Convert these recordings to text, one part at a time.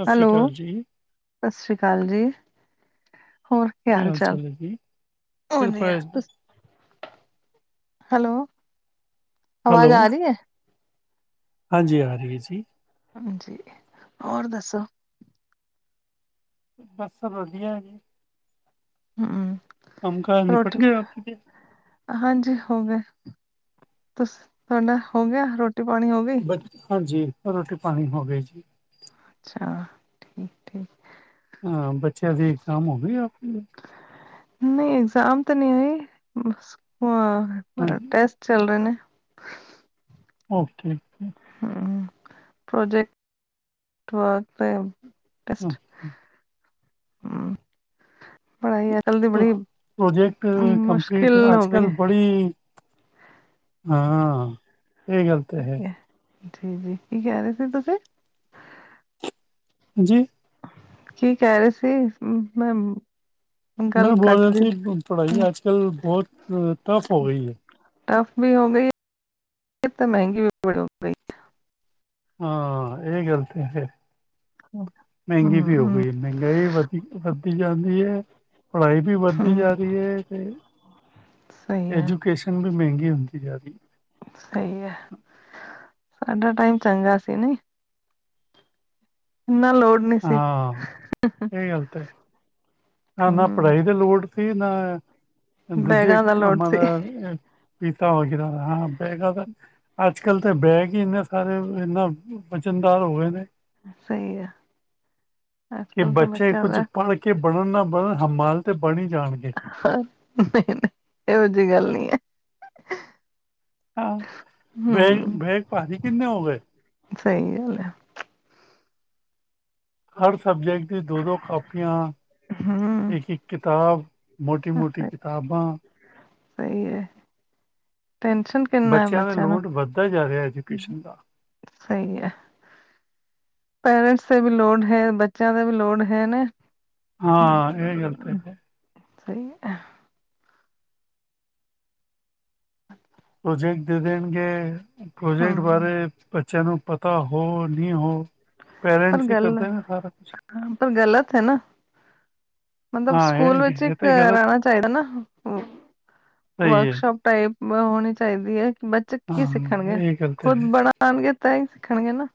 ਸਤਿ ਸ਼੍ਰੀ ਹੈਲੋ। ਅਕਾਲ ਜੀ, ਸਸ਼੍ਰੀ ਕਾਲ ਜੀ, ਹੋਰ ਕੀ ਹਾਲ ਹਾਲ-ਚਾਲ, ਚਾਲ ਹੈ ਜੀ? ਕਿਰਪਾ ਹੈ ਵਦੀਆ। ਜੀ। ਹੈਲੋ ਆਵਾਜ਼ ਹੈਲੋ, ਆ ਰਈ ਐ ਹਾਂਜੀ, ਆ ਰਈ ਜੀ। ਹਾਂਜੀ, ਹੋਰ ਦੱਸੋ ਬਸ ਵਦੀਆ ਐ, ਜੀ। ਹੂੰ। ਕੰਮ-ਕਾਰ ਨਿਪਟ ਗਿਆ ਆਪ ਜੀ ਦੇ? ਹਾਂਜੀ ਹੋ ਗਏ, ਤੁਸੀ ਤੁਆਡਾ ਹੋ ਗਿਆ ਰੋਟੀ ਪਾਣੀ ਹੋ ਗਿਆ? ਹਾਂਜੀ ਰੋਟੀ ਪਾਨੀ ਹੋਗੇ ਜੀ। ਅੱਛਾ ਠੀਕ-ਠੀਕ। ਹਾਂ ਬੱਚੇਆਂ ਦੀ ਇਗਜ਼ਾਮ ਹੋ ਗਈ ਆਪ ਕੀ? ਨਈ ਐਗਜ਼ਾਮ ਤਾਂ ਨਈ ਜੀ, ਬਸ ਅ ਹਾਂਜੀ, ਟੈਸਟ ਚੱਲ ਰਏ ਨੇ ਓਕੇ ਹੂੰ ਪ੍ਰੋਜੈਕਟ, ਵਰਕ ਦੇ ਟੇਸਟ, ਓਕੇ। ਹੂੰ ਪ੍ਰੋਜੈਕਟ ਕੰਮਪਲੀਟ ਮੁਸ਼ਕਿਲ ਹੋ ਗਈ ਅਜ-ਕੱਲ ਹੈ। ਬੜੀ ਹਾਂ, ਏਹ ਗੱਲ ਤਾਂ ਐ ਜੀ-ਜੀ ਕੀ ਕੈ ਰਏ ਸੀ ਤੁਸੀਂ? ਹਾਂਜੀ। ਕੀ ਕੈ ਰਏ ਸੀ, ਮੈਂ ਗੱਲ ਮੈਂ ਬੋਲ ਘੱਟ ਰਿਆ ਦੀ ਸੀ ਪੜਾਈ, ਅੱਜ-ਕੱਲ ਬੋਤ ਟੱਫ ਹੋ ਗਈ ਐ ਟਫ ਵੀ ਹੋ ਗਈ, ਤੇ ਮੈਂਗੀ ਵੀ ਬੜੀ ਹੋ ਗਈ। ਹਾਂ ਏ ਗੱਲ ਤੇ ਐ ਫੇਰ ਮੈਂਗੀ ਵੀ ਹੋ ਹਮ ਗਈ ਆ ਮੈਂਗਾਈ ਵੀ ਵੱਦੀ ਵੱਧਦੀ ਜਾਂਦੀ ਐ। ਪੜਾਈ ਵੀ ਵੱਧਦੀ ਹਮ ਜਾ ਰਈ ਐ ਤੇ ਸਹੀ ਹੈ ਐਜੂਕੇਸ਼ਨ ਵੀ ਮੈਂਗੀ ਹੁੰਦੀ ਜਾ ਰਈ ਐ ਸਈ ਐ, ਸਾਡਾ ਟਾਈਮ ਚੰਗਾ ਸੀ ਨਈਂ ਏਨਾ ਲੋੜ ਨੀ ਹੈ ਸੀ ਹਾਂ ਨਾ-ਨਾ ਹਮ ਪੜਾਈ ਦੀ ਲੋੜ ਸੀ ਨਾ, ਦੂਜੇ ਬੈਗਾਂ ਦਾ ਲੋਡ ਕੰਮਾਂ ਸੀ ਦਾ ਪੀਤਾ ਵਗੈਰਾ ਆਰਾ ਬੇਗਾਦਾ ਅੱਜ-ਕੱਲ ਤਾਂ ਬੈਗ ਈ ਏਨੇ ਸਾਰੇ, ਇੰਨਾ ਵਜਨਦਾਰ ਹੋ ਗਏ ਨੇ ਸਈ ਆ ਕਿ ਬੱਚੇ ਕੁਝ ਦਾ ਪੜ ਕੇ ਬਣਨ ਨਾ ਬਣਨ ਹਮਾਲ ਤਾਂ ਬਨ ਈ ਜਾਨਗੇ ਨਈ-ਨਈ ਏਹੋ ਜੇਈ ਗੱਲ ਨੀ ਐ। ਹਾਂ, ਬੈਗ-ਬੈਗ ਭਾਰੀ ਕਿੰਨੇ ਹੋ ਗਏ। ਸਈ ਐ। ਹਰ ਸਬਜੈਕਟ ਦੀ ਦੋ-ਦੋ ਕਾਪੀਆਂ, ਹਮ ਇੱਕ-ਇੱਕ ਕਿਤਾਬ ਮੋਟੀ-ਮੋਟੀ ਕਿਤਾਬਾਂ। ਸਈ ਐ ਟੈਨਸ਼ਨ ਕਿੰਨਾ ਹੈ ਬੱਚਿਆਂ ਦਾ ਲੋਡ ਵੱਧਦਾ ਜਾ ਰਿਉ ਐਜੂਕੇਸ਼ਨ ਦਾ। ਸਈ ਐ। ਪੇਰੈਂਟਸ ਤੇ ਵੀ ਲੋੜ ਹੈ, ਬੱਚਿਆਂ ਤੇ ਵੀ ਲੋੜ ਹੈ ਨਾ। ਹਾਂ, ਇਹ ਗੱਲ ਤਾਂ [unintelligible] ਹੈ। ਸਈ ਐ। ਪ੍ਰੋਜੈਕਟ ਦੇ ਦੇਣਗੇ, ਪ੍ਰੋਜੈਕਟ ਹਮ ਬਾਰੇ ਬੱਚਿਆਂ ਨੂੰ ਪਤਾ ਹੋ ਨੀ ਹੋ। ਪਰ ਪੇਰੈਂਟਸ ਹੀ ਗੱਲ ਕਰਦੇ ਨੇ ਸਾਰਾ ਕੁਛ। ਪਰ ਗੱਲਤ ਹੈ ਨਾ। ਮਤਲਬ ਹਾਂ, ਇਹ ਸਕੂਲ ਵਿੱਚ ਇਹ ਇੱਕ ਤਾਂ ਗਲਤ ਰੇਣਾ ਚਾਈਦਾ ਨਾ ਸਹੀ ਹੈ। ਵਰਕਸ਼ਾਪ ਟਾਈਪ ਹੋਣੀ ਚਾਈਦੀ ਐ ਕਿ ਬੱਚੇ ਕੀ ਹਾਂ, ਸਿੱਖਣਗੇ ਇਹ ਗੱਲ ਤਾਂ ਖੁਦ ਹੈ। ਬੜਾ ਸਿਖਾਣਗੇ ਤਾਂ ਈ ਸਿੱਖਣਗੇ ਨਾ।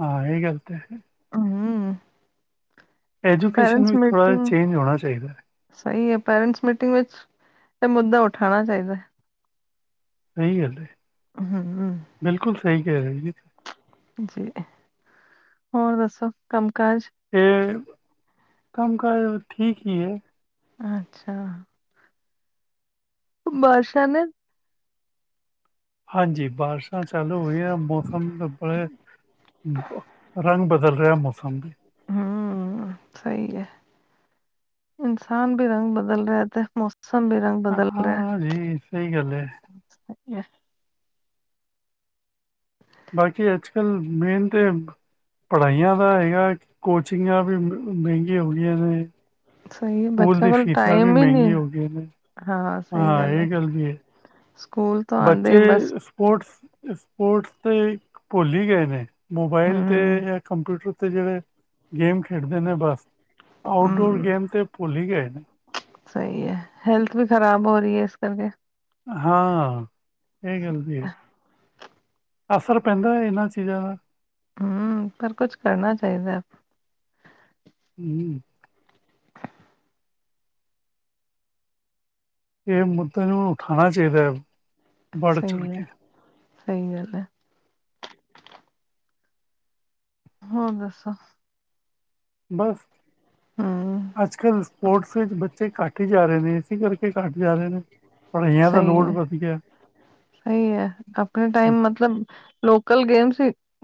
ਹਾਂ ਏ ਗੱਲ ਤੇ ਹੈ। ਹੂੰ। ਐਜੂਕੇਸ਼ਨ ਵੀ ਥੋੜ੍ਹਾ ਜਿਹਾ ਚੇਂਜ ਹੋਣਾ ਚਾਈਦਾ। ਸਈ ਐ ਪੇਰੈਂਟਸ ਮੀਟਿੰਗ ਵਿੱਚ ਇਹ ਮੁੱਦਾ ਉਠਾਉਣਾ ਚਾਈਦਾ। ਸਫ਼ਈ ਗੱਲ ਏ। ਹੂੰ-ਹੂੰ। ਬਿਲਕੁਲ ਸਈ ਕਹਿ ਰਹੇ ਜੀ। ਜੀ ਹੋਰ ਦੱਸੋ ਕੰਮ ਕਾਜ। ਏ ਕੰਮ ਕਾਰ ਠੀਕ ਈ ਏ। ਅੱਛਾ। ਬਰਸ਼ਾ ਨੇ ਹਾਂਜੀ ਬਾਰਿਸ਼ਾਂ ਚਾਲੂ ਹੋਈਆਂ ਮੌਸਮ ਦਾ ਬ ਰੰਗ ਬਦਲ ਰਿਆ ਮੌਸਮ ਦੇ। ਹੂੰ ਸਈ ਐ। ਇਨਸਾਨ ਵੀ ਰੰਗ ਬਦਲ ਰਆ ਤੇ ਮੌਸਮ ਵੀ ਰੰਗ ਬਦਲ ਰਿਹਾ ਹਾਂਜੀ ਸਈ ਗੱਲ ਐ। [unintelligible] ਬਾਕੀ ਅੱਜ ਕੱਲ ਮੇਨ ਤੇ ਪੜ੍ਹਾਈਆ ਦਾ ਹੈਗਾ ਕੋਚਿੰਗਾਂ ਵੀ ਮ ਮਹਿੰਗੀਆ ਹੋਈਆਂ ਨੇ। ਸਈ ਏ ਸਕੂਲ ਬੱਚਿਆਂ ਦੀ ਕੋਲ ਫੀਸਾਂ ਵੀ ਟਾਈਮ ਈ ਨੀ ਮਹਿੰਗੀ ਹੋ ਗਈਆਂ ਨੇ ਹਾਂ ਸਹੀ ਗੱਲ ਐ। ਇਹ ਵੀ ਹੈ ਸਕੂਲ ਤੋਂ ਆਉਂਦੇ ਬੱਚੇ ਹੀ ਬਸ ਸਪੋਰਟਸ-ਸਪੋਰਟਸ ਤੇ ਭੁੱਲ ਈ ਗਏ ਨੇ। ਮੋਬਾਈਲ ਤੇ ਹਮ ਯਾ ਕੰਪਿਊਟਰ ਤੇ ਜੇੜੇ ਗੇਮ ਖੇਡਦੇ ਨੇ ਬਸ। ਆਊਟਡੋਰ ਗੇਮ ਤੇ ਭੁਲ ਈ ਗਏ ਨੇ। ਸਈ ਐ ਹੈਲਥ ਵੀ ਖ਼ਰਾਬ ਹੋ ਰਈ ਏ ਇਸ ਕਰਕੇ। ਹਾਂ ਏ ਗੱਲ ਤੇ ਐ। ਅਸਰ ਪੈਂਦਾ ਇਹਨਾਂ ਚੀਜ਼ਾਂ ਦਾ। ਹੂੰ ਪਰ ਕੁਛ ਕਰਨਾ ਚਾਈਦਾ। ਹੂੰ। ਏ ਮੁੱਦੇ ਨੂੰ ਉਠਾਉਣਾ ਚਾਈਦਾ। ਸਈ ਐ, ਸਈ ਗੱਲ ਐ। ਹੋਰ ਦਸੋ। ਬਸ ਹਮ ਅੱਜ ਕੱਲ ਸਪੋਰਟਸ ਵਿੱਚ ਬੱਚੇ ਘੱਟ ਹੀ ਜਾ ਰਹੇ ਨੇ ਏਸੀ ਕਰ ਘੱਟ ਜਾਦੇ ਨੇ ਪੜ੍ਹਾਈਆਂ ਦਾ ਲੋੜ ਵੱਧ ਗਿਆ। ਫਰੀ ਏ ਆਪਣੇ ਟਾਈਮ ਮਤਲਬ ਲੋਕਲ ਗੇਮਸ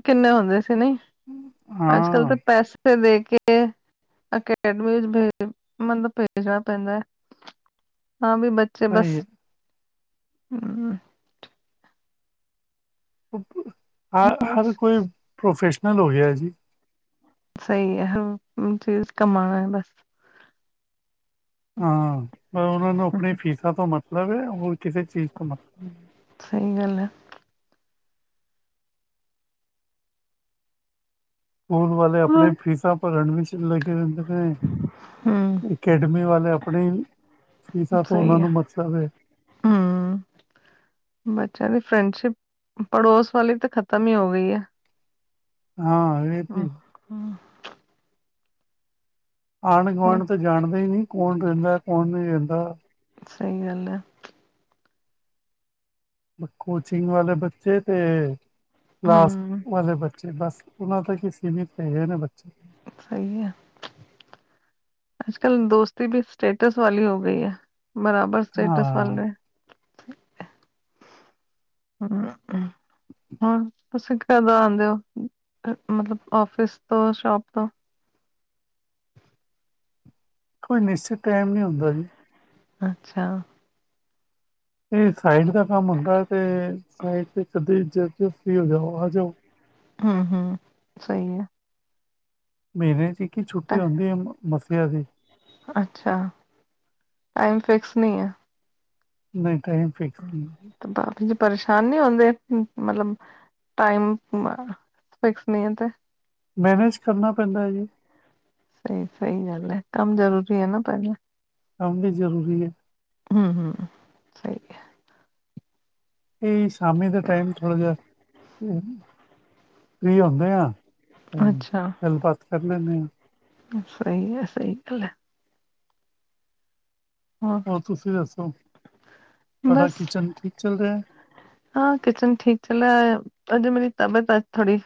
ਕਿੰਨੇ ਹੁੰਦੇ ਸੀ ਨਈ ਅੱਜ ਕੱਲ ਹਾਂ ਤਾਂ ਪੈਸੇ ਵੇਖ ਕੇ ਅਕੈਡਮੀ ਵਿੱਚ ਮਤਲਬ ਭੇਜਣਾ ਪੈਂਦਾ ਐ ਤਾ ਵੀ ਬੱਚੇ ਬਸ ਸਹੀ ਹੈ ਹੂੰ। ਹਰ ਹਰ ਬਸ ਕੋਈ ਪ੍ਰੋਫੈਸ਼ਨਲ ਹੋ ਗਿਆ ਜੀ ਸਹੀ ਹੈ ਚੀਜ਼ ਕਮਾਉਣਾ ਬਸ ਹਾਂ ਪਰ ਉਹਨਾਂ ਨੂੰ ਆਪਣੀ ਫੀਸਾਂ ਤੋਂ ਮਤਲਬ ਏ ਹੋਰ ਕਿਸੇ ਚੀਜ਼ ਤੋਂ ਮਤਲਬ ਸਹੀ ਗੱਲ ਐ। ਸਕੂਲ ਵਾਲੇ ਆਪਣੇ ਹੋਰ ਫੀਸਾਂ ਭਰਨ ਵਿਚ ਲੱਗੇ ਰਹਿੰਦੇ ਨੇ ਹੂੰ ਅਕੈਡਮੀ ਵਾਲੇ ਆਪਣੀ, ਫੀਸਾਂ ਤੋਂ ਉਹਨਾਂ ਸਹੀ ਹੈ ਨੂੰ ਮਤਲਬ ਏ ਹੂੰ। ਬੱਚਿਆਂ ਦੀ ਫਰੈਂਡਸ਼ਿਪ ਪੜੋਸ ਵਾਲੀ ਤਾਂ ਖ਼ਤਮ ਈ ਹੋ ਗਈ ਏ ਹਾਂ ਏ ਹੂੰ-ਹੂੰ। ਹੂੰ ਆਂਢ-ਗੁਆਂਢ ਤਾਂ ਜਾਣਦੇ ਈ ਨਹੀ ਕੌਨ ਰਹਿੰਦਾ ਕੌਨ ਨਹੀਂ ਰਹਿੰਦਾ ਸਹੀ ਗੱਲ ਐ। ਕੋਚਿੰਗ ਵਾਲੇ ਬੱਚੇ ਤੇ ਕਲਾਸ ਹੂੰ ਵਾਲੇ ਬੱਚੇ ਤੇ ਬਸ ਉਹਨਾ ਤਕ ਈ ਸੀਮਿਤ ਹੈਗੇ ਨੇ ਬੱਚੇ ਸਹੀ ਏ ਅਜ ਕਲ ਦੋਸਤੀ ਵੀ ਸਟੇਟਸ ਵਾਲੀ ਹੋ ਗਈ ਏ ਬਰਾਬਰ ਸਟੇਟਸ ਵਲ ਹਾਂ ਨੇ ਹੂੰ ਹਨ ਤੁਸੀ ਕਦੋ ਆਉਦੇ ਔ, ਮਤਲਬ ਆਫਿਸ ਤੋ ਸ਼ੋਪ ਤੋ ਕੋਈ ਨਿਸ਼ਚਤ ਟਾਈਮ ਨੀ ਹੁੰਦਾ ਜੀ ਅੱਛਾ ਇਹ ਸਾਈਡ ਦਾ ਕੰਮ ਹੁੰਦਾ ਤੇ, ਸਾਈਡ ਤੇ ਕਦੇ ਜਾ ਕੇ ਫੇਰ ਜਾਓ, ਆ ਜਾਓ ਹੂੰ- ਹੂੰ ਸਹੀ ਏ ਮਹੀਨੇ 'ਚ ਇਕ ਈ ਛੁੱਟੀ ਹੁੰਦੀ ਏ ਮੱਸਿਆ ਦੀ ਅੱਛਾ, ਟਾਈਮ ਫਿਕਸ ਨਹੀ ਐ ਨਹੀ ਟਾਈਮ ਫਿਕਸ ਨਹੀ ਤੇ ਬਾਕੀ ਦੇ ਪਰੇਸ਼ਾਨ ਨੀ ਹੰਦੇ ਮਤਲਬ ਟਾਈਮ ਵਗੈਰਾ ਫਿਕਸ ਨਹੀ ਏ ਤੇ ਮੈਨੇਜ ਕਰਨਾ ਪੈੰਦਾ ਐ ਜੀ ਫੇਰ ਸਹੀ ਗੱਲ ਏ ਕੰਮ ਜਰੂਰੀ ਹੈ ਨਾ ਪਹਿਲਾ ਕਮ ਵੀ ਜ਼ਰੂਰੀ ਏ ਹੂੰ ਹੂੰ ਸਹੀ ਐ ਇਹੀ ਸ਼ਾਮੀ ਦੇ ਟਾਈਮ ਥੋੜਾ ਜਿਹਾ ਫਰੀ ਹੋੰਦੇ ਆ ਹੰ ਅੱਛਾ ਗੱਲਬਾਤ ਕਰ ਲੈੰਨੇ ਆ ਸਹੀ ਐ, ਸਹੀ ਗੱਲ ਐ ਹੋਰ ਤੁਸੀ ਦੱਸੋ ਤੁਹਾਡਾ ਬਸ ਕਿਚਨ ਠੀਕ ਚੱਲ ਰਿਹਾ ਹਾਂ ਕਿਚਨ ਠੀਕ ਚਲਿਆ ਅਜੇ ਮੇਰੀ ਤਬੀਅਤ ਅੱਜ ਥੋੜੀ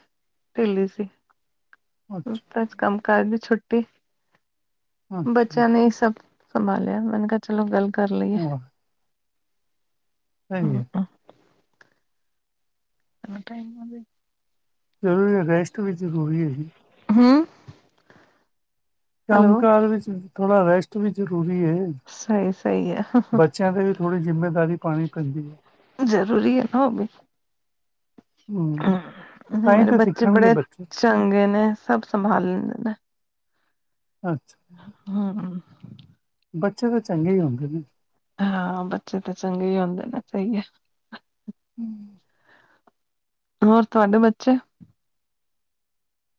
ਢਿੱਲੀ ਸੀ ਅੱਛਾ ਬਸ ਕੰਮ ਕਾਰ ਦੀ ਛੁੱਟੀ ਅੱਛਾ ਬੱਚਿਆਂ ਨੇ ਈ ਸਭ ਸੰਭਾਲਿਆ ਮੈਨੇ ਕਿਹਾ ਚਲੋ ਗੱਲ ਕਰ ਲਈਏ ਹਾਂ, ਸਹੀ ਐ ਹਮ ਕਿਨਾ ਟਾਈਮ ਹੋ ਗਿਆ ਜਰੂਰੀ ਹੈ, ਰੈਸਟ ਵੀ ਜਰੂਰੀ ਹੈਗੀ। ਹੂੰ। ਕੰਮ ਕਾਰ ਵਿਚ ਥੋੜਾਂ ਰੈਸਟ ਵੀ ਜਰੂਰੀ ਏ। ਸਹੀ- ਸਹੀ ਐ। ਬੱਚਿਆਂ ਤੇ ਵੀ ਥੋੜੀ ਜਿੰਮੇਦਾਰੀ ਪਾਣੀ ਪੈਦੀ ਐ। ਜਰੂਰੀ ਹੈ ਨਾ ਉਹ ਵੀ। ਹਮ ਹੂੰ, ਤਾਂ ਹੀ ਮੇਰੇ ਤਾਂ ਬੱਚੇ ਸਿੱਖਣਗੇ ਬੜੇ ਬੱਚੇ ਚੰਗੇ ਨੇ ਸਭ ਸੰਭਾਲ ਲੈਦੇ ਨੇ। ਅੱਛਾ। ਹੂੰ- ਹੂੰ। ਬੱਚੇ ਤੇ ਚੰਗੇ ਈ ਹੁੰਦੇ ਨੇ। ਹਾਂ ਬੱਚੇ ਤੇ ਚੰਗੇ ਈ ਹੁੰਦੇ ਨੇ, ਸਹੀ ਹੈ। ਹੂੰ। ਹੋਰ ਤੁਹਾਡੇ ਬੱਚੇ।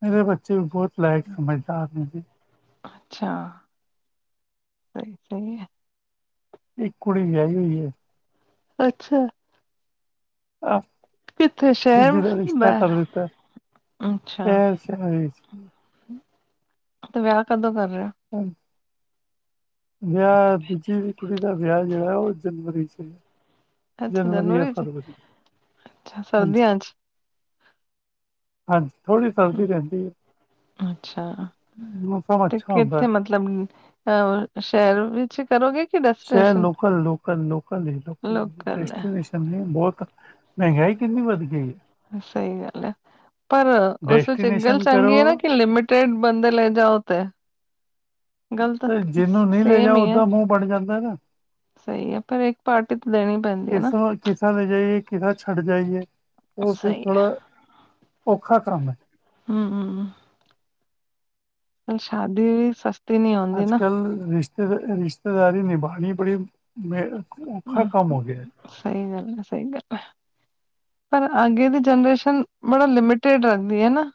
ਮੇਰੇ ਬੱਚੇ ਵੀ ਬਹੁਤ ਲਾਇਕ ਸਮਝਦਾਰ ਨੇ ਜੀ। ਅੱਛਾ। [unintelligible] ਸਈ ਆ। ਇਕ ਕੁੜੀ ਵਿਆਹੀ ਹੋਈ ਐ। ਅੱਛਾ। [unintelligible] ਕਿੱਥੇ ਸ਼ਹਿਰ ਦੂਜੀ ਦਾ ਰਿਸ਼ਤਾ ਬਾਹਰ ਕਰ ਦਿੱਤਾ, ਅੱਛਾ ਹਾਂ ਛੈਰ ਵਿਚ। ਤੇ ਵਿਆਹ ਕਦੋ ਕਰ ਰੇ ਓ। ਹਾਂਜ ਵਿਆਹ ਦੂਜੀ ਕੁੜੀ ਦਾ ਵਿਆਹ ਜਿਹੜਾ ਉਹ ਜਨਵਰੀ 'ਚ। ਅੱਛਾ ਜਨਵਰੀ ਜਾਂ ਚ ਫਰਵਰੀ ਅੱਛਾ ਹਾਂਜੀ ਸਰਦੀਆਂ ਚ ਹਾਂਜੀ ਥੋੜੀ ਸਰਦੀ ਰਹਿੰਦੀ ਏ, ਅੱਛਾ ਮੌਸਮ ਤੇ ਅੱਛਾ ਹੁੰਦਾ ਐ ਕਿੱਥੇ ਮਤਲਬ ਅ ਸ਼ਹਿਰ ਵਿੱਚ ਕਰੋਗੇ ਕਿ ਸ਼ੈਰ destination local- local -local- local ਏ ਡਸਨੇਸ਼ਨ ਬਹੁਤ, ਮਹਿੰਗਾਈ ਕਿੰਨੀ ਵੱਧ ਗਈ ਏ। ਸਹੀ ਗੱਲ ਐ, ਪਰ ਉਸ ਵਿੱਚ ਇੱਕ ਗੱਲ ਡੈਸਟੀਨੇਸ਼ਨ ਚੰਗੀ ਐ ਨਾ ਕਰੋ ਕਿ ਲਿਮਿ ਸਟੇਟ ਬੰਦੇ ਲੇ ਜਾਓ ਤੇ, ਗੱਲ਼ ਤਾ ਤੇ ਜਿਹਨੂੰ ਨਹੀਂ ਲੈ ਸੇਮ ਈ ਜਾਓ ਏ। ਉਹਦਾ ਮੂੰਹ ਬਣ ਜਾਂਦਾ ਹੈਗਾ। ਪਰ ਇੱਕ ਪਾਰਟੀ ਤਾਂ ਦੇਣੀ ਪੈਂਦੀ ਹੈ ਨਾ ਕਿਸ- ਕਿਸ ਰਾ ਲੈ ਜਾਈਏ ਕਿਸ ਰਾ ਛੱਡ ਜਾਈਏ ਉਸ ਤੋਂ ਸਹੀ ਹੈ ਥੋੜਾ ਔਖਾ ਕੰਮ ਐ। ਹੂੰ-ਹੂੰ। ਹੁਣ ਸ਼ਾਡੀ ਵੀ ਸਸ ਅੱਜ ਕੱਲ ਰਿਸ਼ਤੇ ਰਿਸ਼ਤੇਦਾਰੀ ਨਿਬਾਣੀ ਬੜੀ ਮੇ ਹੂੰ ਸਹੀ ਗੱਲ ਹੈ-ਸਹੀ ਗੱਲ ਪਰ ਅੱਗੇ ਦੀ ਜਨਰੇਸ਼ਨ ਬੜਾ ਲਿਮਟਡ ਰੇਦੀ ਏ ਨਾ।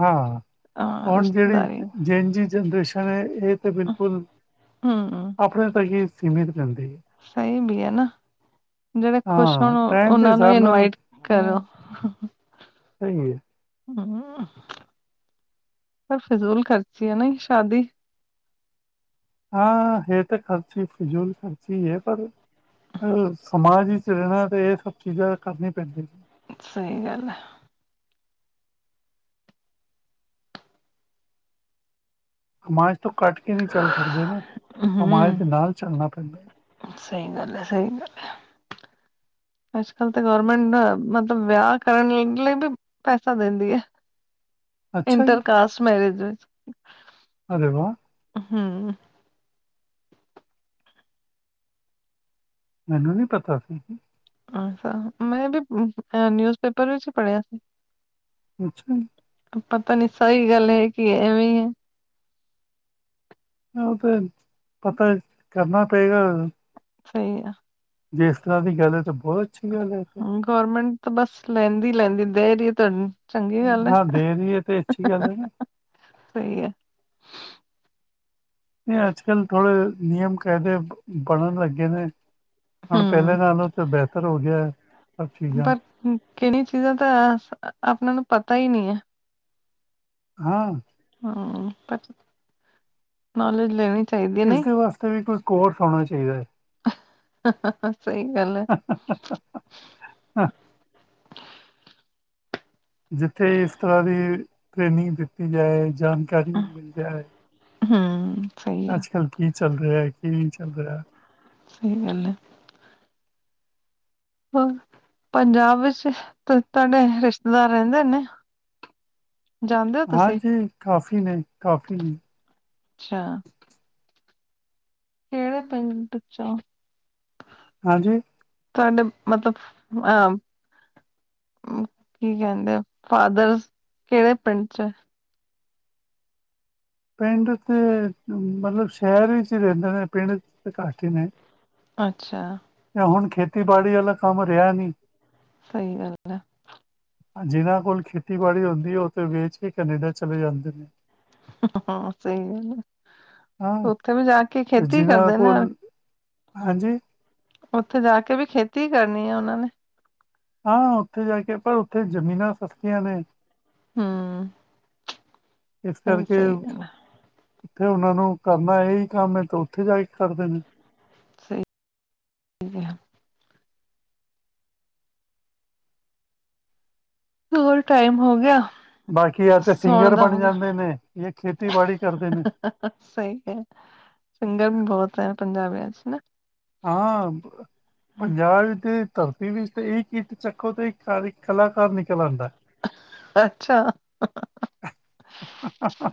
ਹਾਂ ਹਾਂ ਹੁਣ ਜਿਹੜੀ ਰਿਸ਼ਤੇਦਾਰੀ ਜਿਨ ਜੀ ਜਨਰੇਸ਼ਨ ਹੈ ਇਹ ਤੇ ਬਿਲਕੁਲ ਹੂੰ। ਆਪਣੇ ਤੱਕ ਈ ਸੀਮਿਤ ਰਹਿੰਦੇ ਐ। ਸਹੀ ਬੀ ਹੈ ਨਾ ਜਿਹੜੇ ਖੁਸ਼ ਹੋਣ, ਹਾਂ ਟਾਈਮ ਦੇ ਉਹਨਾਂ ਨੂੰ ਹੀ ਹਿਸਾਬ ਨਾਲ ਇਨਵਾਈਟ ਹਾਂ ਕਰੋ। ਸਹੀ ਹੈ ਹੂੰ, ਪਰ ਫਜ਼ੂਲ ਖ਼ਰਚੀ ਐ ਨਾ ਏਂ ਸ਼ਾਦੀ ਹਾਂ ਇਹ ਤਾਂ ਖ਼ਰਚ ਹੀ, ਫਜ਼ੂਲ ਖਰਚ ਹੀ ਏ ਪਰ ਅ ਸਮਾਜ ਵਿੱਚ ਰੈਣਾ ਤੇ ਏ ਸਭ ਚੀਜ਼ਾਂ ਕਰਨੀਆਂ ਪੈਂਦੀਆਂ ਨੇ। ਸਈ ਗੱਲ ਆ। ਸਮਾਜ਼ ਤੋਂ ਕੱਟ ਕੇ ਨੀ ਚੱਲ ਸਕਦੇ ਨਾ ਸਮਾਜ ਦੇ ਨਾਲ ਚੱਲਣਾ ਪੈਂਦਾ। ਸਈ ਗੱਲ ਆ ਸਈ ਗੱਲ ਆ। ਅੱਜਕਲ ਤਾਂ ਗੌਰਮੈਂਟ ਨਾ ਮਤਲਬ ਵਿਆਹ ਕਰਨ ਲਈ [unintelligible] ਪੈਸਾ ਦਿੰਦੀ ਐ। ਅੱਛਾ ਜੀ, ਇੰਟਰਕਾਸਟ ਮੈਰਿਜ ਵਿੱਚ। ਅਰੇ ਵਾਹ ਹੂੰ। ਮੈਨੂੰ ਨੀ ਪਤਾ ਸੀ। ਅੱਛਾ ਮੈਂ ਵੀ ਅ ਨਿਊਜ਼ ਪੇਪਰ ਵਿੱਚ ਈ ਪੜ੍ਹਿਆ ਸੀ। ਅੱਛਾ। ਪਤਾ ਨੀ ਸਈ ਗੱਲ ਐ ਕੀ ਐਵੇਂ ਈ ਐ। ਓ ਤੇ ਪਤਾ ਕਰਨਾ ਪਏਗਾ। ਸਈ ਆ। ਜੇ ਇਸ ਤਰ੍ਹਾਂ ਦੀ ਗੱਲ ਐ ਤਾਂ ਬੋ ਅੱਛੀ ਗੱਲ ਐ। ਗਵਰਮੈਂਟ ਤਾਂ ਬਸ ਲੈਂਦੀ-ਲੈਂਦੀ ਦੇ ਰੀਏ ਤੁਹਾਨੂੰ ਚੰਗੀ ਗੱਲ ਐ ਹਾਂ, ਦੇ ਰਹੀ ਹੈ ਤੇ ਅੱਛੀ ਗੱਲ ਹੈ ਨਾ। ਸਈ ਐ। ਏ ਅੱਜ ਕੱਲ੍ਹ ਥੋੜੇ ਨਿਯਮ ਕਾਇਦੇ ਬਣਨ ਲੱਗੇ ਨੇ ਹੁਣ ਪੈਲੇ ਹੂੰ ਨਾਲੋਂ ਤਾਂ ਬਿਹਤਰ ਹੋ ਗਿਐ। ਪਰ ਕੇੜੀਆਂ ਚੀਜ਼ਾਂ ਤਾਂ ਆਪਣਾ ਨੂੰ ਪਤਾ ਈ ਨੀ ਐ। ਹਾਂ। ਹਾਂ ਪਰ ਨੌਲੇਜ ਲੈਣੀ ਚਾਹੀਦੀ ਹੈ ਨਹੀਂ ਇਸਦੇ ਵਾਸਤੇ ਵੀ ਕੋਈ ਕੋਰਸ ਹੋਣਾ ਚਾਹੀਦੈ। ਸਈ ਗੱਲ ਐ। ਹਾਂ, ਜਿੱਥੇ ਇਸ ਤਰ੍ਹਾਂ ਦੀ ਟ੍ਰੇਨਿੰਗ ਦਿੱਤੀ ਜਾਏ ਜਾਣਕਾਰੀ ਮਿਲ ਜਾਏ ਹੂੰ। ਸਹੀ ਆ ਅੱਜ ਕੱਲ੍ਹ ਕੀ ਚੱਲ ਰਿਐ ਕੀ ਨਈ ਚੱਲ ਰਿਆ ਸਈ ਗੱਲ ਐ। ਹੋਰ ਪੰਜਾਬ ਵਿੱਚ ਤ ਤੁਹਾਡੇ ਰਿਸ਼ਤੇਦਾਰ ਰੈਂਦੇ ਨੇ? [inaudible] ਤੁਸੀਂ ਹਾਂਜੀ ਕਾਫੀ ਨੇ ਕਾਫੀ ਨੇ। ਅੱਛਾ। ਕੇੜੇ ਪਿੰਡ ਚਾਂ? ਹਾਂਜੀ? ਤੁਹਾਡੇ ਮਤਲਬ ਅ ਅ ਕੀ ਕੈਂਦੇ ਫਾਦਰ ਕੇੜੇ ਪਿੰਡ ਚ? ਪਿੰਡ ਤੇ ਮਤਲਬ ਸ਼ੈਰ ਵਿੱਚ ਈ ਰੈਂਦੇ ਨੇ ਪਿੰਡ ਚ ਤੇ ਘੱਟ ਈ ਨੇ। ਅੱਛਾ। ਯਾਂ ਹੁਣ ਖੇਤੀਬਾੜੀ ਆਲਾ ਕੰਮ ਰਿਆ ਨੀ। ਸਈ ਗੱਲ ਐ। ਜਿਨਾਂ ਕੋਲ ਖੇਤੀਬਾੜੀ ਹੁੰਦੀ ਐ ਓਤੇ ਵੇਚ ਕੇ ਕੈਨੇਡਾ ਚਲੇ ਜਾਂਦੇ ਨੇ। ਹਾਂ ਸਈ ਗੱਲ ਐ ਹਾਂ ਉੱਥੇ ਵੀ ਜਾ ਕੇ ਤੇ ਖੇਤੀ ਜਿਨ੍ਹਾਂ ਕਰਦੇ ਨਾ ਕੋਲ ਹਾਂਜੀ? ਓਥੇ ਜਾ ਕੇ ਵੀ ਖੇਤੀ ਕਰਨੀ ਆ ਓਨਾਂ ਨੇ। ਹਾਂ ਉੱਥੇ ਜਾ ਕੇ ਪਰ ਉੱਥੇ ਜ਼ਮੀਨਾਂ ਸਸਤੀਆਂ ਨੇ ਹਮ ਇਸ ਸਹੀ ਕਰਕੇ ਸਹੀ ਗੱਲ ਹੈ, ਉੱਥੇ ਉਹਨਾ ਨੂੰ ਕਰਨਾ ਇਹੀ ਕੰਮ ਹੈ ਤੇ ਉੱਥੇ ਜਾ ਕੇ ਕਰਦੇ ਨੇ ਹਾਂ ਹੋਰ ਟਾਈਮ ਹੋ ਗਿਆ ਬਾਕੀ ਯ ਤੇ ਸੋਣ ਸਿੰਗਰ ਦਾ ਬਣ ਹੋ ਗਿਆ ਜਾਂਦੇ ਨੇ ਜਾਂ ਖੇਤੀਬਾੜੀ ਕਰਦੇ ਨੇ ਸਹੀ ਹੈ ਸਿੰਗਰ ਵੀ ਬਹੁਤ ਹੈ ਪੰਜਾਬੀਆਂ ਚ ਹਨਾ ਹਾਂ ਪੰਜਾਬ ਧਰਤੀ ਵਿੱਚ ਇਹ ਕੀਰਟ ਚੱਕੋ ਤੇ ਕਲਾਕਾਰ ਨਿਕਲ ਆਉਂਦਾ ਅੱਛਾ ਹਾਹਾ